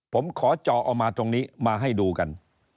ผมขอจอเอามาตรงนี้มาให้ดูกัน